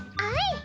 あい。